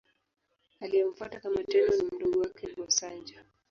Aliyemfuata kama Tenno ni mdogo wake, Go-Sanjo.